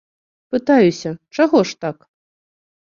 Пытаюся, чаго ж так?